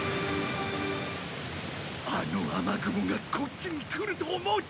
あの雨雲がこっちに来ると思うと。